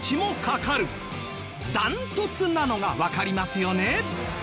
ダントツなのがわかりますよね？